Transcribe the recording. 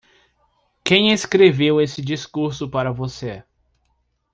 Quem escreveu esse discurso para você?